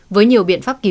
với nhiều biện pháp kịp